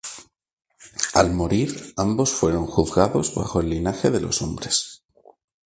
Al morir, ambos fueron juzgados bajo el linaje de los Hombres.